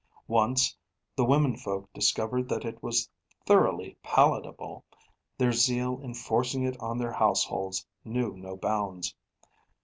Once the womenfolk discovered that it was thoroughly unpalatable, their zeal in forcing it on their households knew no bounds.